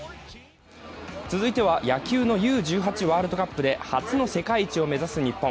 続いては、野球のＵ−１８ワールドカップで初の世界一を目指す日本。